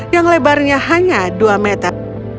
yang lebarnya hanya dua meter